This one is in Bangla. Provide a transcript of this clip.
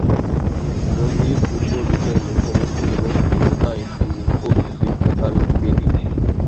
মন্দির পূর্ব দিকের মুখোমুখি এবং দেবতা একটি নিখুঁত বৃত্তাকার বেদি।